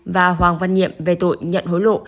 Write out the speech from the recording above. và hoàng văn nhiệm về tội nhận hối lộ